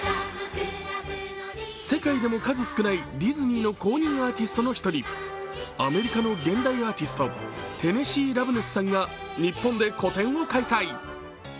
世界でも数少ないディズニーの公認アーティストの一人、アメリカの現代アーティストテネシー・ラブネスさんが日本で個展を開催！